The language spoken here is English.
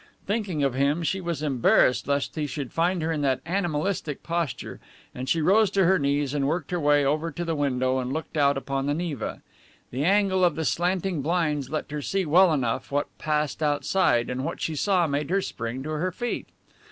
Thinking of him, she was embarrassed lest he should find her in that animalistic posture, and she rose to her knees and worked her way over to the window that looked out upon the Neva. The angle of the slanting blinds let her see well enough what passed outside, and what she saw made her spring to her feet.